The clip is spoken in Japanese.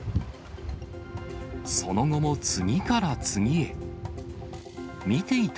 その後も次から次へ。